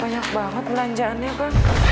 banyak banget belanjaannya bang